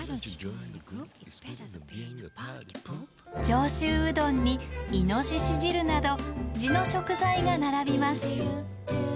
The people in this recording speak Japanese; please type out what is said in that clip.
上州うどんにイノシシ汁など地の食材が並びます。